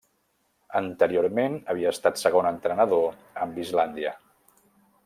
Anteriorment havia estat segon entrenador amb Islàndia.